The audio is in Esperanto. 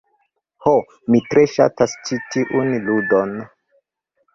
Ho, mi tre ŝatas ĉi tiun ludon.